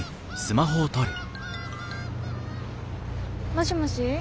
もしもし。